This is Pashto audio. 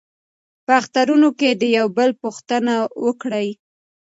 په اخترونو کې د یو بل پوښتنه وکړئ.